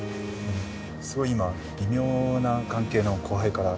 すごい今微妙な関係の後輩から。